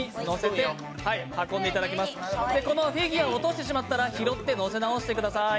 このフィギュアを落としてしまったら拾ってのせ直してください。